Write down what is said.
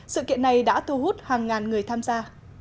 sự kiện này đã thu hút hàng ngàn người tham gia